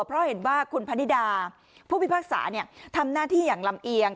เพราะเห็นว่าคุณพนิดาผู้พิพากษาทำหน้าที่อย่างลำเอียง